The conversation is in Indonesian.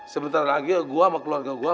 sebentar lagi gue sama keluarga gue